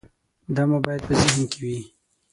دا مو باید په ذهن کې وي.